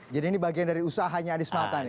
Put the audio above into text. jadi ini bagian dari usahanya anies matan ya